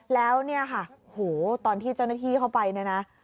แล้วเนี่ยค่ะโหตอนที่เจ้าหน้าที่เข้าไปเนี่ยนะ